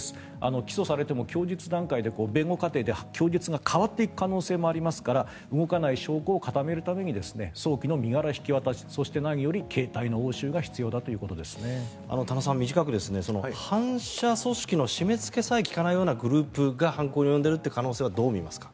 起訴されても供述段階で弁護過程で供述が変わっていく可能性もありますから動かない証拠を固めるために早期の身柄引き渡しそして何より携帯の押収が田野さん、短く反社組織の締めつけさえ利かないようなグループが犯行に及んでいるという可能性はどう見ますか？